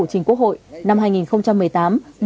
trình quốc hội năm hai nghìn một mươi tám